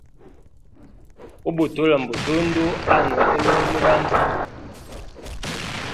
Ubutula mbutundu ano elungu muganza.